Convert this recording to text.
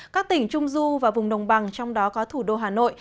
các tỉnh trung du và vùng đồng bằng trong đó có thủ đô hà nội